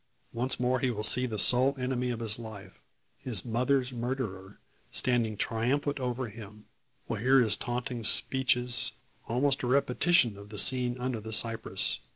Once more he will see the sole enemy of his life, his mother's murderer, standing triumphant over him; will hear his taunting speeches almost a repetition of the scene under the cypress!